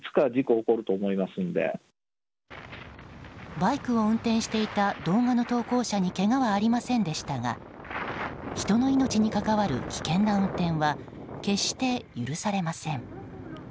バイクを運転していた動画の投稿者にけがはありませんでしたが人の命に関わる危険な運転は決して許されません。